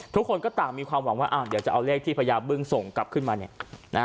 ทุกคนก็ต่างมีความหวังว่าเดี๋ยวจะเอาเลขที่พญาบึ้งส่งกลับขึ้นมาเนี่ยนะฮะ